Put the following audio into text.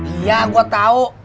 iya gue tahu